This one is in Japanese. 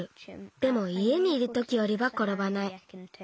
でもいえにいるときよりはころばない。